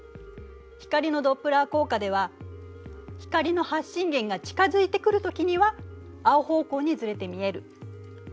光のドップラー効果では光の発信源が近づいてくるときには青方向にずれて見える。